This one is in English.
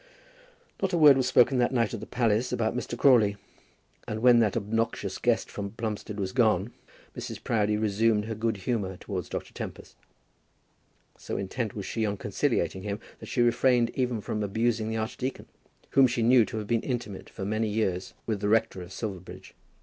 Not a word was spoken that night at the palace about Mr. Crawley; and when that obnoxious guest from Plumstead was gone, Mrs. Proudie resumed her good humour towards Dr. Tempest. So intent was she on conciliating him that she refrained even from abusing the archdeacon, whom she knew to have been intimate for very many years with the rector of Silverbridge.